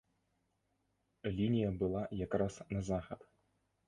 Лінія была якраз на захад.